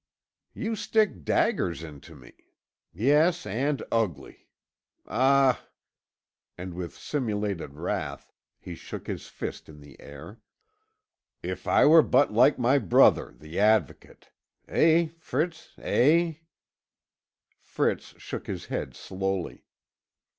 "You stick daggers into me. Yes and ugly. Ah!" and with simulated wrath he shook his fist in the air, "if I were but like my brother the Advocate! Eh, Fritz eh?" Fritz shook his head slowly.